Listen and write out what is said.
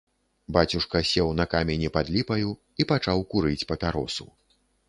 Бацюшка сеў на камені пад ліпаю і пачаў курыць папяросу.